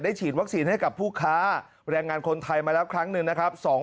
ฉีดวัคซีนให้กับผู้ค้าแรงงานคนไทยมาแล้วครั้งหนึ่งนะครับ